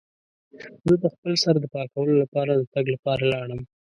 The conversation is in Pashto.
زه د خپل سر د پاکولو لپاره د تګ لپاره لاړم.